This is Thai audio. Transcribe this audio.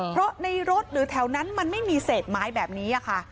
เพราะในรถหรือแถวนั้นมันไม่มีเศษไม้แบบนี้ค่ะ